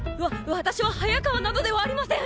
私は早川などではありません！